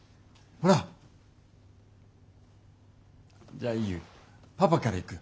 じゃあいいよパパからいく。